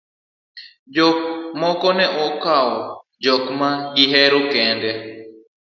jok moko ne okowo jok ma gihero kende